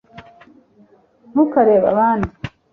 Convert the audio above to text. ntukarebe abandi